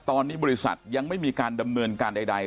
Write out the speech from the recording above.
ตอนนี้บริษัทยังไม่มีการดำเนินการใด